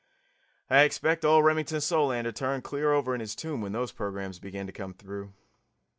I expect old Remington Solander turned clear over in his tomb when those programs began to come through.